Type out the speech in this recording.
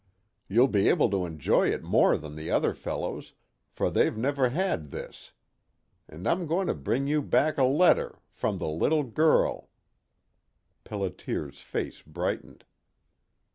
You'll be able to enjoy it more than the other fellows, for they've never had this. And I'm going to bring you back a letter from the little girl " Pelliter's face brightened.